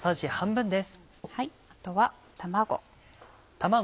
あとは卵。